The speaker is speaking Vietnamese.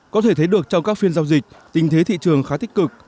có thể thấy được trong các phiên giao dịch tình thế thị trường khá tích cực